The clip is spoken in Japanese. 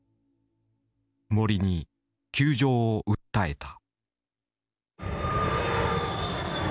森に窮状を訴えた。